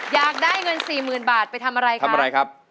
อยากได้เงิน๔๐๐๐๐บาทไปทำอะไรครับ